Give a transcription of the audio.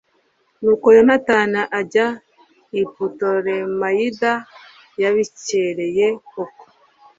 nuko yonatani ajya i putolemayida yabikereye koko